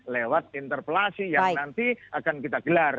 lewat interpelasi yang nanti akan kita gelar